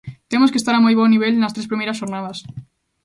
Temos que estar a moi bo nivel nas tres primeiras xornadas.